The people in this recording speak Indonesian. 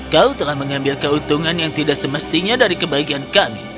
kau telah mengambil keuntungan yang tidak semestinya dari kebaikan kami